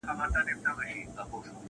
ادبي غونډه کي نيوکي وسوې-